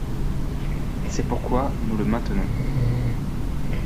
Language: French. C’est pourquoi nous le maintenons.